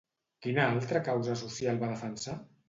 Quina altra causa social va defensar?